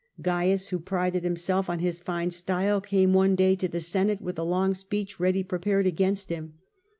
Cains, who prided himself on his fine style, came one day to the Senate with a long speech ready prepared against him.